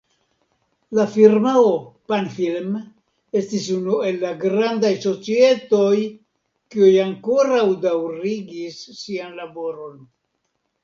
La firmao Pan-Film estis unu el la grandaj societoj, kiuj ankoraŭ daŭrigis sian laboron.